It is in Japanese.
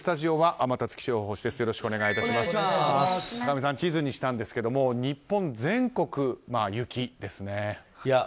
天達さん、地図にしたんですが日本全国、雪ですね。